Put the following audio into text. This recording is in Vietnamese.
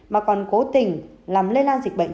mà còn cố tình làm lây lan dịch bệnh